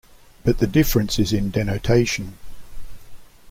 But the difference is in denotation.